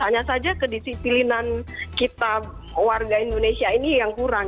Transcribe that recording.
hanya saja kedisiplinan kita warga indonesia ini yang kurang